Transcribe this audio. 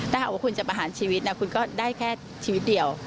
ถ้าหากว่าคุณจะประหารชีวิตนะคุณก็ได้แค่ชีวิตเดียว